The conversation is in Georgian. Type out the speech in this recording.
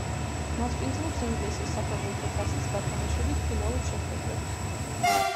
მასპინძლობს ინგლისის საფეხბურთო თასის გათამაშების ფინალურ შეხვედრებს.